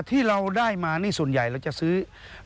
ที่เราได้มานี่ส่วนใหญ่เราจะซื้อ